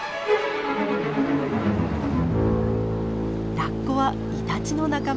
ラッコはイタチの仲間。